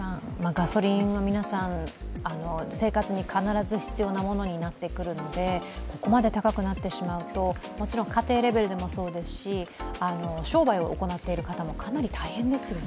ガソリンは皆さん、生活に必ず必要になってくるものになるのでここまで高くなってしまうともちろん家庭レベルでもそうですし商売を行っている方もかなり大変ですよね。